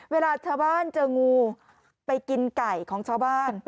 เวลาชาวบ้านเจองูไปกินไก่ของชาวบ้าน